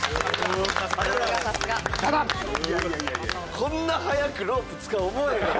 こんな早くロープ使う思わへんかった。